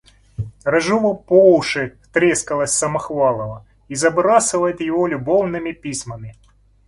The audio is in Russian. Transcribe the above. Рыжова по уши втрескалась в Самохвалова и забрасывает его любовными письмами!